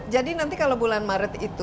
jadi nanti kalau bulan maret itu